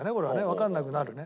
わかんなくなるね。